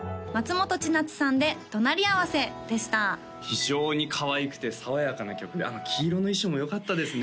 非常にかわいくて爽やかな曲であの黄色の衣装もよかったですね